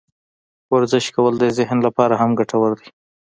ورزش کول د ذهن لپاره هم ګټور دي.